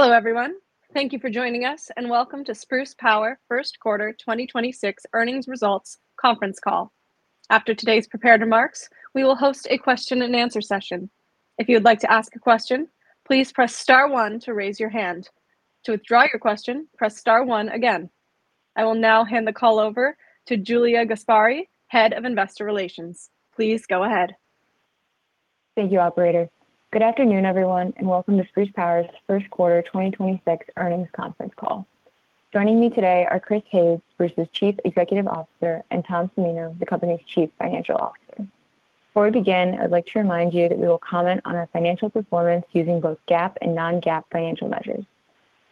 Hello, everyone. Thank you for joining us, and welcome to Spruce Power First Quarter 2026 Earnings Results conference call. After today's prepared remarks, we will host a question and answer session. If you would like to ask a question, please press star one to raise your hand. To withdraw your question, press star one again. I will now hand the call over to Julia Gasbarre, Head of Investor Relations. Please go ahead. Thank you, operator. Good afternoon, everyone, and welcome to Spruce Power's first quarter 2026 earnings conference call. Joining me today are Chris Hayes, Spruce's Chief Executive Officer, and Thomas Cimino, the company's Chief Financial Officer. Before we begin, I'd like to remind you that we will comment on our financial performance using both GAAP and non-GAAP financial measures.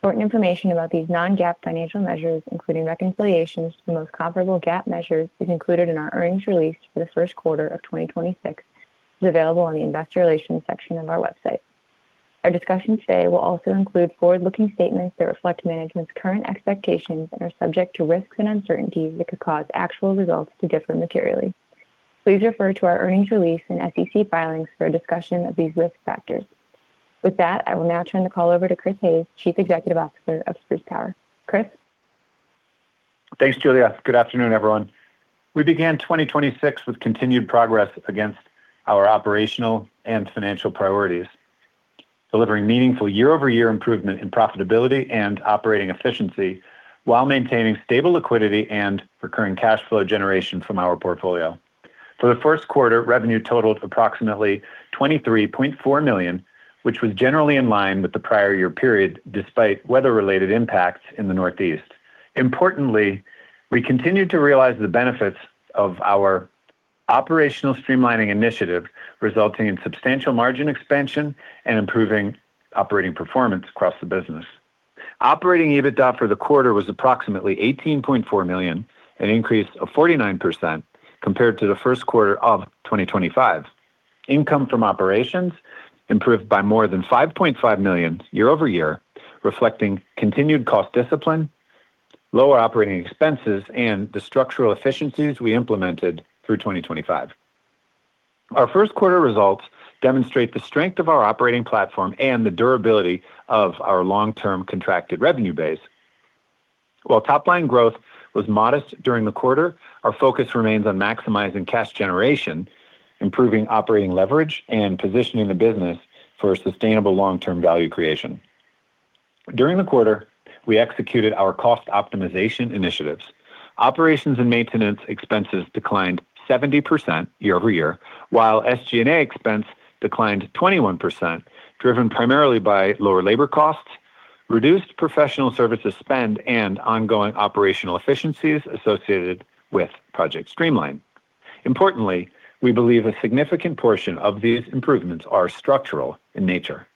Important information about these non-GAAP financial measures, including reconciliations to the most comparable GAAP measures, is included in our earnings release for the first quarter of 2026 and is available on the investor relations section of our website. Our discussion today will also include forward-looking statements that reflect management's current expectations and are subject to risks and uncertainties that could cause actual results to differ materially. Please refer to our earnings release and SEC filings for a discussion of these risk factors. With that, I will now turn the call over to Chris Hayes, Chief Executive Officer of Spruce Power. Chris? Thanks, Julia. Good afternoon, everyone. We began 2026 with continued progress against our operational and financial priorities, delivering meaningful year-over-year improvement in profitability and operating efficiency while maintaining stable liquidity and recurring cash flow generation from our portfolio. For the first quarter, revenue totaled approximately $23.4 million, which was generally in line with the prior year period despite weather-related impacts in the Northeast. Importantly, we continued to realize the benefits of our operational streamlining initiative, resulting in substantial margin expansion and improving operating performance across the business. Operating EBITDA for the quarter was approximately $18.4 million, an increase of 49% compared to the first quarter of 2025. Income from operations improved by more than $5.5 million year-over-year, reflecting continued cost discipline, lower operating expenses, and the structural efficiencies we implemented through 2025. Our first quarter results demonstrate the strength of our operating platform and the durability of our long-term contracted revenue base. While top-line growth was modest during the quarter, our focus remains on maximizing cash generation, improving operating leverage, and positioning the business for sustainable long-term value creation. During the quarter, we executed our cost optimization initiatives. Operations and maintenance expenses declined 70% year-over-year, while SG&A expense declined 21%, driven primarily by lower labor costs, reduced professional services spend, and ongoing operational efficiencies associated with Project Streamline. Importantly, we believe a significant portion of these improvements are structural in nature.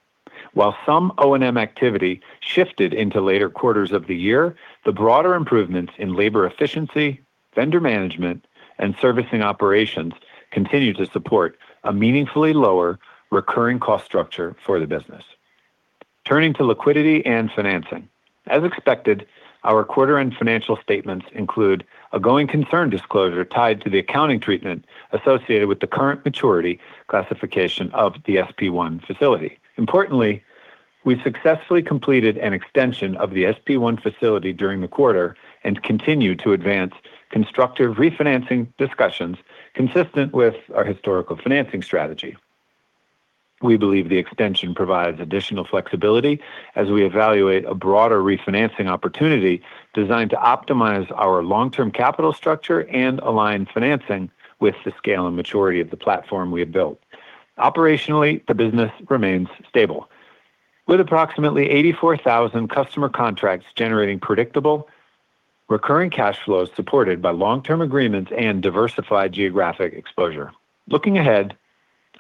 While some O&M activity shifted into later quarters of the year, the broader improvements in labor efficiency, vendor management, and servicing operations continue to support a meaningfully lower recurring cost structure for the business. Turning to liquidity and financing. As expected, our quarter-end financial statements include a going concern disclosure tied to the accounting treatment associated with the current maturity classification of the SP1 Facility. Importantly, we successfully completed an extension of the SP1 Facility during the quarter and continue to advance constructive refinancing discussions consistent with our historical financing strategy. We believe the extension provides additional flexibility as we evaluate a broader refinancing opportunity designed to optimize our long-term capital structure and align financing with the scale and maturity of the platform we have built. Operationally, the business remains stable, with approximately 84,000 customer contracts generating predictable recurring cash flows supported by long-term agreements and diversified geographic exposure. Looking ahead,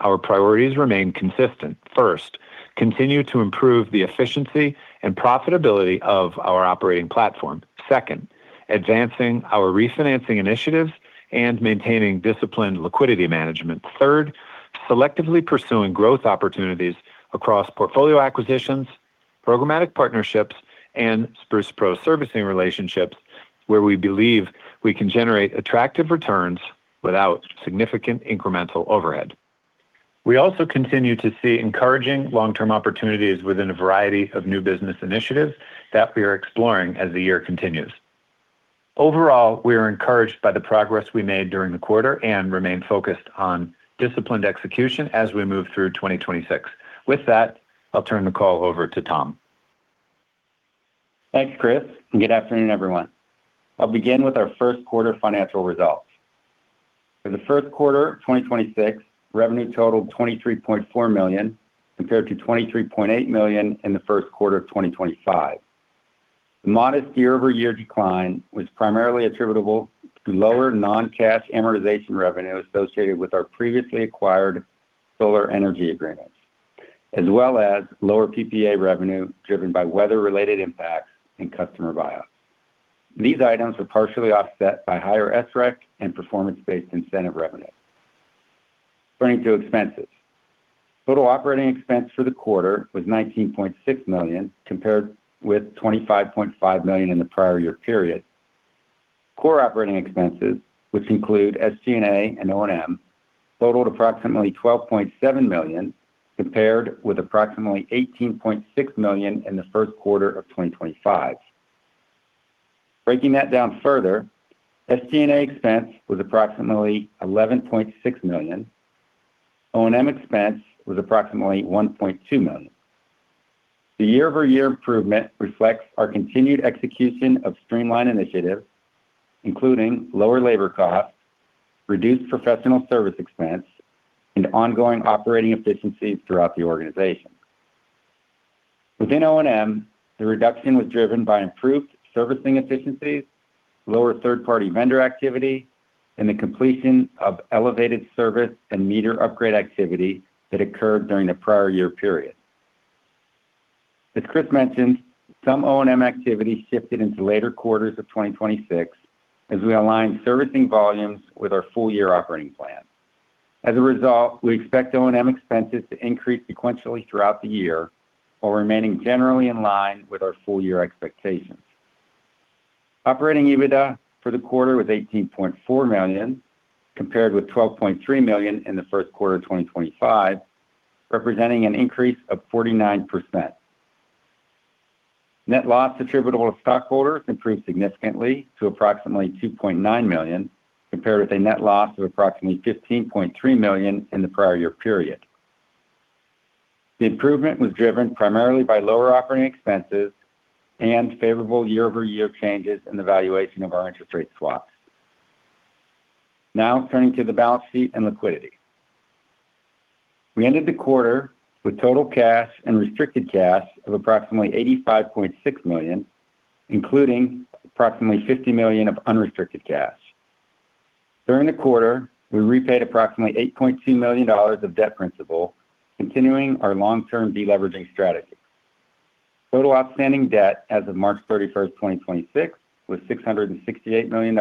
our priorities remain consistent. First, continue to improve the efficiency and profitability of our operating platform. Second, advancing our refinancing initiatives and maintaining disciplined liquidity management. Third, selectively pursuing growth opportunities across portfolio acquisitions, programmatic partnerships, and Spruce PRO servicing relationships where we believe we can generate attractive returns without significant incremental overhead. We also continue to see encouraging long-term opportunities within a variety of new business initiatives that we are exploring as the year continues. Overall, we are encouraged by the progress we made during the quarter and remain focused on disciplined execution as we move through 2026. With that, I'll turn the call over to Thomas. Thanks, Chris, and good afternoon, everyone. I'll begin with our first quarter financial results. For the first quarter of 2026, revenue totaled $23.4 million, compared to $23.8 million in the first quarter of 2025. The modest year-over-year decline was primarily attributable to lower non-cash amortization revenue associated with our previously acquired solar energy agreements, as well as lower PPA revenue driven by weather-related impacts and customer buyouts. These items were partially offset by higher SREC and performance-based incentive revenue. Turning to expenses. Total operating expense for the quarter was $19.6 million, compared with $25.5 million in the prior year period. Core operating expenses, which include SG&A and O&M, totaled approximately $12.7 million compared with approximately $18.6 million in the first quarter of 2025. Breaking that down further, SG&A expense was approximately $11.6 million. O&M expense was approximately $1.2 million. The year-over-year improvement reflects our continued execution of Streamline initiative, including lower labor costs, reduced professional service expense, and ongoing operating efficiencies throughout the organization. Within O&M, the reduction was driven by improved servicing efficiencies, lower third-party vendor activity, and the completion of elevated service and meter upgrade activity that occurred during the prior year period. As Chris mentioned, some O&M activity shifted into later quarters of 2026 as we align servicing volumes with our full-year operating plan. As a result, we expect O&M expenses to increase sequentially throughout the year while remaining generally in line with our full-year expectations. Operating EBITDA for the quarter was $18.4 million, compared with $12.3 million in the first quarter of 2025, representing an increase of 49%. Net loss attributable to stockholders improved significantly to approximately $2.9 million compared with a net loss of approximately $15.3 million in the prior year period. The improvement was driven primarily by lower operating expenses and favorable year-over-year changes in the valuation of our interest rate swaps. Now turning to the balance sheet and liquidity. We ended the quarter with total cash and restricted cash of approximately $85.6 million, including approximately $50 million of unrestricted cash. During the quarter, we repaid approximately $8.2 million of debt principal, continuing our long-term deleveraging strategy. Total outstanding debt as of March 31st, 2026 was $668 million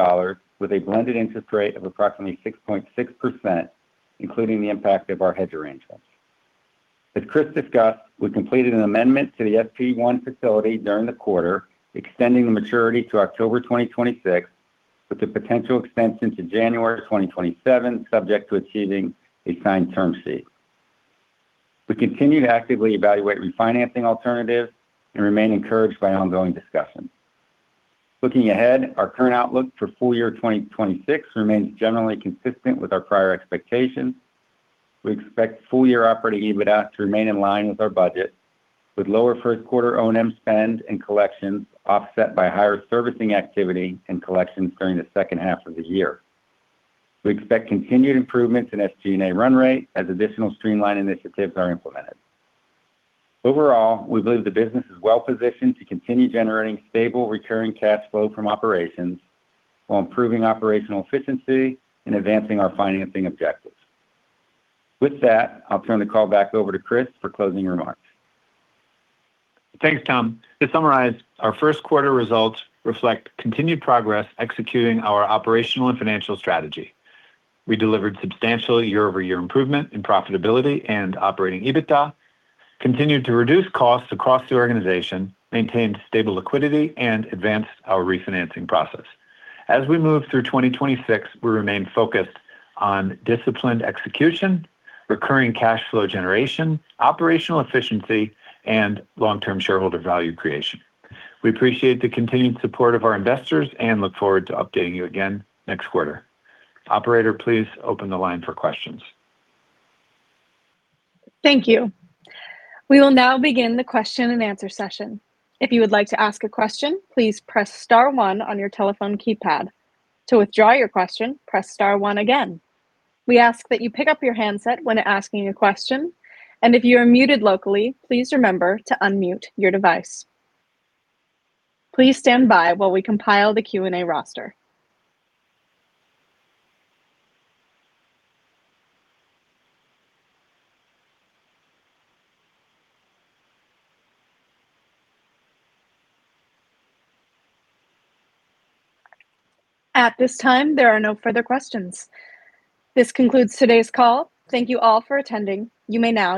with a blended interest rate of approximately 6.6%, including the impact of our hedge arrangements. As Chris discussed, we completed an amendment to the SP1 Facility during the quarter, extending the maturity to October 2026, with the potential extension to January 2027, subject to achieving a signed term sheet. We continue to actively evaluate refinancing alternatives and remain encouraged by ongoing discussions. Looking ahead, our current outlook for full-year 2026 remains generally consistent with our prior expectations. We expect full-year Operating EBITDA to remain in line with our budget, with lower first quarter O&M spend and collections offset by higher servicing activity and collections during the second half of the year. We expect continued improvements in SG&A run rate as additional streamline initiatives are implemented. Overall, we believe the business is well-positioned to continue generating stable recurring cash flow from operations while improving operational efficiency and advancing our financing objectives. With that, I'll turn the call back over to Chris for closing remarks. Thanks, Tom. To summarize, our first quarter results reflect continued progress executing our operational and financial strategy. We delivered substantial year-over-year improvement in profitability and Operating EBITDA, continued to reduce costs across the organization, maintained stable liquidity, and advanced our refinancing process. As we move through 2026, we remain focused on disciplined execution, recurring cash flow generation, operational efficiency, and long-term shareholder value creation. We appreciate the continued support of our investors and look forward to updating you again next quarter. Operator, please open the line for questions. Thank you. We will now begin the question and answer session. If you would like to ask a question, please press star one on your telephone keypad. To withdraw your question, press star one again. We ask that you pick up your handset when asking a question, and if you are muted locally, please remember to unmute your device. Please stand by while we compile the Q&A roster. At this time, there are no further questions. This concludes today's call. Thank you all for attending. You may now disconnect.